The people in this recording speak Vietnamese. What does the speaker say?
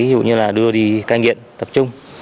ví dụ như là đưa đi cai nghiện tập trung